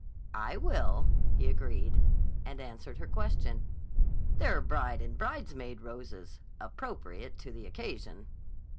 "I will," he agreed, and answered her question: "They're bride and bridesmaid roses. Appropriate to the occasion."